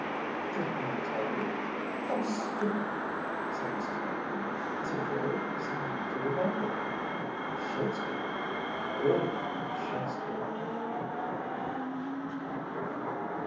"Didn't I tell you? How stupid of me!" said Mrs. Lockton. "It's a very easy name to remember: Shakespeare, William Shakespeare."